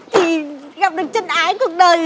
thì gặp được chân ái cuộc đời